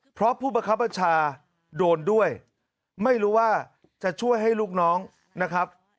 เพราะผู้บังคับบัญชาโดนด้วยไม่รู้ว่าจะช่วยให้ลูกน้องนะครับ